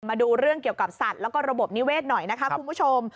มาดูเรื่องเกี่ยวกับสัตว์แล้วก็ระบบนิเศษหน่อยนะคะคุณผู้ชม